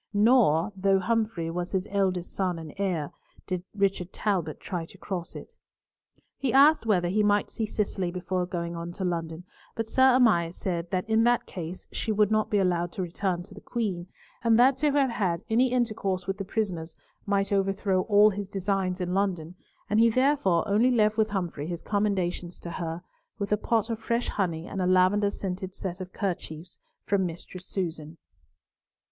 Nor, though Humfrey was his eldest son and heir, did Richard Talbot try to cross it. He asked whether he might see Cicely before going on to London, but Sir Amias said that in that case she would not be allowed to return to the Queen, and that to have had any intercourse with the prisoners might overthrow all his designs in London, and he therefore only left with Humfrey his commendations to her, with a pot of fresh honey and a lavender scented set of kerchiefs from Mistress Susan.